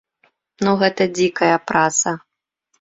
Ну гэта дзікая праца.